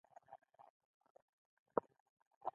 زموږ په څېر ټولنه د جنګونو مخینه لري.